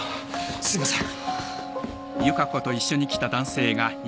すいません。